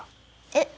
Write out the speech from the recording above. えっ？